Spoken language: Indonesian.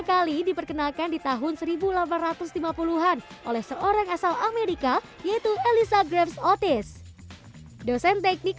kali diperkenalkan di tahun seribu delapan ratus lima puluh an oleh seorang asal amerika yaitu elisa grabs otis dosen teknik